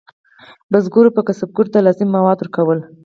بزګرو به کسبګرو ته لازم مواد ورکول.